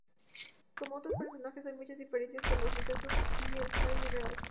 Como otros personajes, hay muchas diferencias con los sucesos y el Hale real.